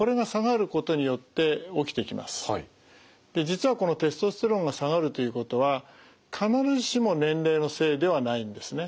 実はこのテストステロンが下がるということは必ずしも年齢のせいではないんですね。